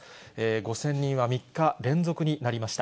５０００人は３日連続になりました。